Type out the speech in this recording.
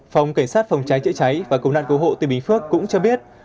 phòng cảnh sát phòng chế chế cháy và công nạn cứu hộ tỉnh bình phước cũng cho biết